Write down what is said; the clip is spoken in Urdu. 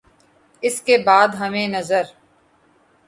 اس کے بعد ہمیں نظر